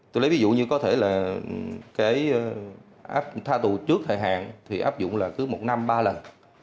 tôi lấy ví dụ như có thể là cái áp tha tù trước thời hạn thì áp dụng là cứ một năm ba lần